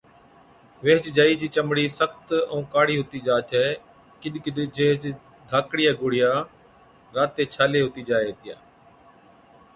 ويهچ جائِي چِي چمڙِي سخت ائُون ڪاڙِي هُتِي جا ڇَي ڪِڏ ڪِڏ جيهچ ڌاڪڙِيا گوڙهِيا راتي ڇالي هُتِي جائي هِتِيا